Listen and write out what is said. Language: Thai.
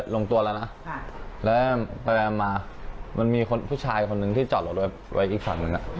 ลงตัวแล้วนะแล้วไปมามันมีคนผู้ชายคนหนึ่งที่จอดรถไว้อีกฝั่งหนึ่ง